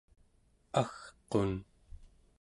agqun